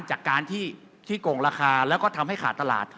จากการที่โกงราคาแล้วก็ทำให้ขาดตลาด